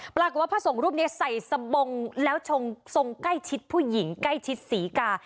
ปรากฏว่าพระสงฆ์รูปนี้ใส่สบงแล้วทรงใกล้ชิดผู้หญิงใกล้ชิดศรีกา